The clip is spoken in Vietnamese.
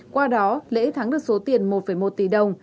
qua đó lễ thắng được số tiền một một tỷ đồng